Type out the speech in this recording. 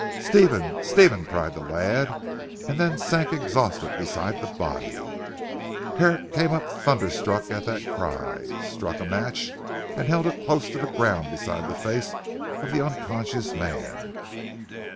"Stephen! Stephen!" cried the lad, and then sank exhausted beside the body. Herrick came up thunderstruck at that cry, struck a match and held it close to the ground beside the face of the unconscious man.